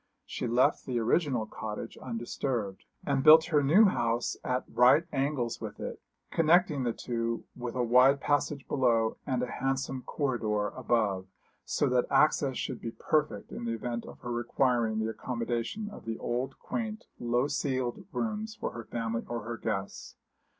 She left the original cottage undisturbed, and built her new house at right angles with it, connecting the two with a wide passage below and a handsome corridor above, so that access should be perfect in the event of her requiring the accommodation of the old quaint, low ceiled rooms for her family or her guests.